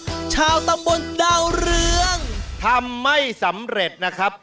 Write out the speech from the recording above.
ใหม่นะครับชาวตำบนดาวเรืองทำไม่สำเร็จนะครับ